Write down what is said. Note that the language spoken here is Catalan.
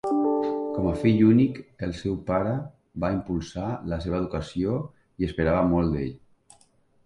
Com a fill únic, el seu pare va impulsar la seva educació i esperava molt d'ell.